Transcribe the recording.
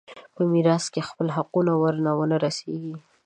په میراث کې خپل حقونه ور ونه رسېږي.